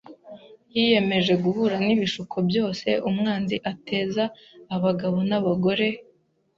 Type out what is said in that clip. Yiyemeje guhura n’ibishuko byose umwanzi ateza abagabo n’abagore ;